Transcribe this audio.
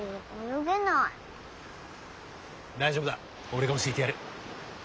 大丈夫だ俺が教えてやる。